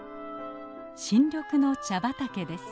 新緑の茶畑です。